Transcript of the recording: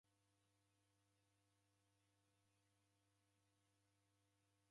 Waghora saa ikenda kamili dikaie davika